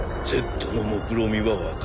Ｚのもくろみは分かる。